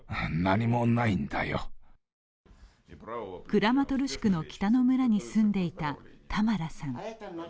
クラマトルシクの北の村に住んでいたタマラさん。